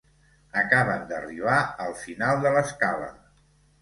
Acaben d'arribar al final de l'escala.